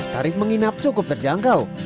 tarif menginap cukup terjangkau